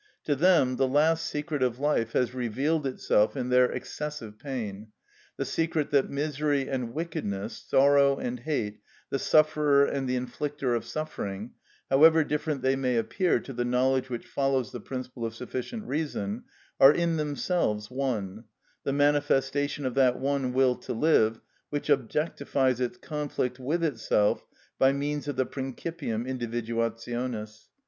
To them the last secret of life has revealed itself in their excessive pain; the secret that misery and wickedness, sorrow and hate, the sufferer and the inflicter of suffering, however different they may appear to the knowledge which follows the principle of sufficient reason, are in themselves one, the manifestation of that one will to live which objectifies its conflict with itself by means of the principium individuationis.